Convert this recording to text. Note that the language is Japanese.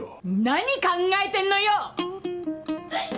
何考えてんのよ！はいっ。